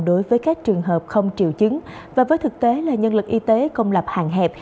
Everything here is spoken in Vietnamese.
đối với các trường hợp không triệu chứng và với thực tế là nhân lực y tế công lập hàng hẹp